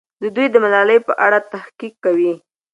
دوی د ملالۍ په اړه تحقیق کوي.